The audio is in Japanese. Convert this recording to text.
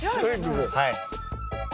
はい。